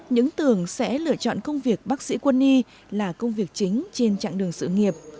những tường sẽ lựa chọn công việc bác sĩ quân y là công việc chính trên chặng đường sự nghiệp